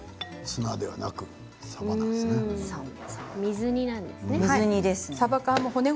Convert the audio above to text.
ツナではなくさばなんですね。